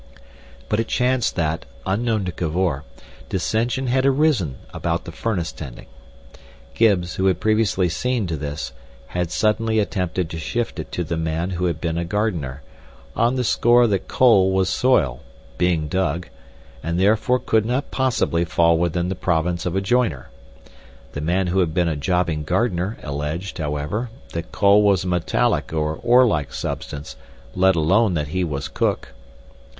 But it chanced that, unknown to Cavor, dissension had arisen about the furnace tending. Gibbs, who had previously seen to this, had suddenly attempted to shift it to the man who had been a gardener, on the score that coal was soil, being dug, and therefore could not possibly fall within the province of a joiner; the man who had been a jobbing gardener alleged, however, that coal was a metallic or ore like substance, let alone that he was cook.